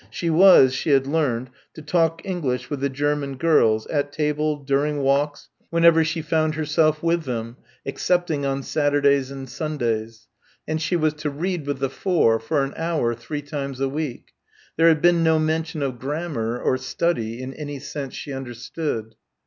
She was, she had learned, to talk English with the German girls, at table, during walks, whenever she found herself with them, excepting on Saturdays and Sundays and she was to read with the four for an hour, three times a week. There had been no mention of grammar or study in any sense she understood.